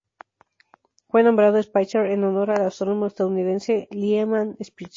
Fue nombrado Spitzer en honor al astrónomo estadounidense Lyman Spitzer.